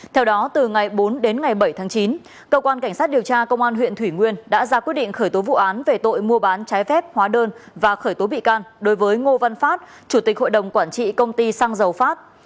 theo đó từ ngày bốn đến ngày bảy tháng chín công an tp hải phòng đã ra quyết định khởi tố vụ án về tội mua bán trái phép hóa đơn và khởi tố bị can đối với ngô văn phát chủ tịch hội đồng quản trị công ty sang dầu phát